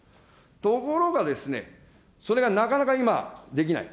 ところがですね、それがなかなか今、できない。